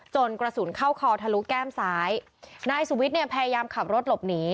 กระสุนเข้าคอทะลุแก้มซ้ายนายสุวิทย์เนี่ยพยายามขับรถหลบหนี